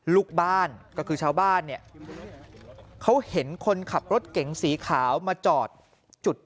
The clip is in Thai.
ลูกบ้านก็คือชาวบ้านเนี่ยเขาเห็นคนขับรถเก๋งสีขาวมาจอดจุด